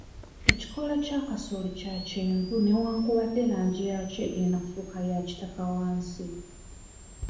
Ekikoola kya kasooli kya kyenvu newankubadde langi yakyo engenda effuuka ya kitaka wansi.